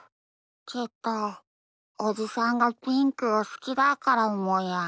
きっとおじさんがピンクをすきだからもや。